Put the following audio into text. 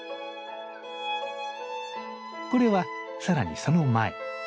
これはさらにその前。